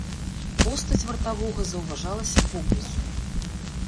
Постаць вартавога заўважалася поблізу.